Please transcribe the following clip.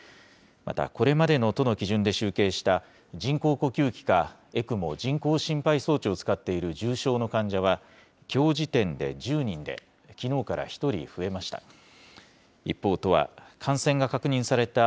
また、これまでの都の基準で集計した人工呼吸器かＥＣＭＯ・人工心肺装置を使っている重症の患者はきょう時点で１０人で、きのうから１人増えました。